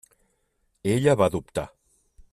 Ella va dubtar.